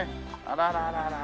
あららら。